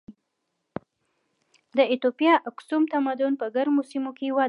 د ایتوپیا اکسوم تمدن په ګرمو سیمو کې وده وکړه.